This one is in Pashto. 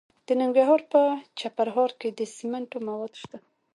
د ننګرهار په چپرهار کې د سمنټو مواد شته.